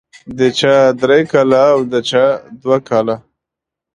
د چا درې کاله او د چا دوه کاله.